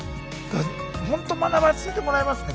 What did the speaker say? ほんと学ばせてもらえますね